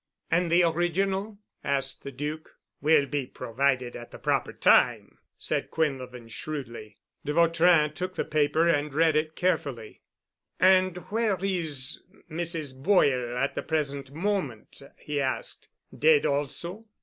"And the original?" asked the Duc. "Will be produced at the proper time," said Quinlevin shrewdly. De Vautrin took the paper and read it carefully. "And where is Mrs. Boyle at the present moment?" he asked. "Dead also?"